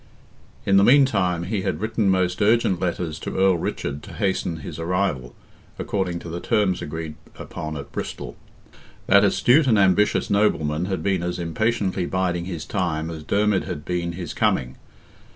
In the meantime he had written most urgent letters to Earl Richard to hasten his arrival, according to the terms agreed upon at Bristol. That astute and ambitious nobleman had been as impatiently biding his time as Dermid had been his coming.